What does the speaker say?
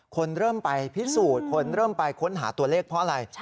คนเริ่มไปพิสูจน์คนเริ่มไปค้นหาตัวเลขเพราะอะไร